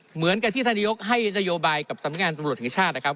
เหมือนกับที่ท่านนายกให้นโยบายกับสำนักงานตำรวจแห่งชาตินะครับ